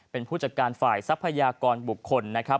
เป็นผู้จัดการฝ่ายทรัพยากรบุคคลนะครับ